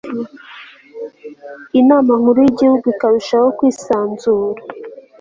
inama nkuru y'igihugu ikarushaho kwisanzura